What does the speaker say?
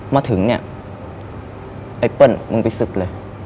มาถึงเนี่ยไอ้เปิ้ลมึงไปศึกเลย